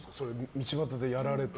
道端でやられて。